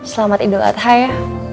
selamat idul adha ya